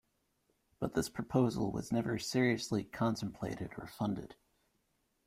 But this proposal was never seriously contemplated or funded.